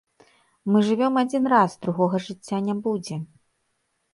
Мы жывём адзін раз, другога жыцця не будзе.